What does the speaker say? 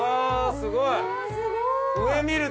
すごい。